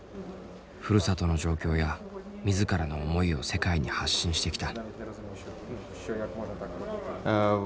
ふるさとの状況や自らの思いを世界に発信してきた。